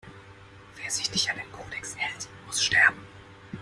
Wer sich nicht an den Kodex hält, muss sterben!